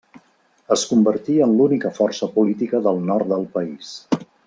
Es convertí en l'única força política del nord del país.